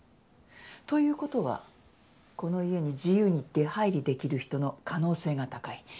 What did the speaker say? ということはこの家に自由に出はいりできる人の可能性が高い。